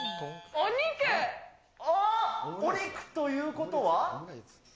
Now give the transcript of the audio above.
お肉ということは？